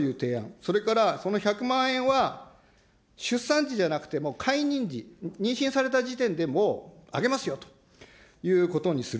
それから、その１００万円は出産時じゃなくて、懐妊時、妊娠された時点でもうあげますよということにする。